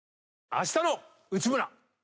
『あしたの内村！！』